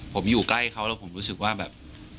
ผมอยู่ใกล้เขาแล้วผมรู้สึกว่าแบบ